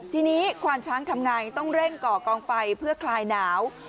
ทีนี้ควานช้างทำไงต้องเร่งก่อกองไฟเพื่อคลายหนาว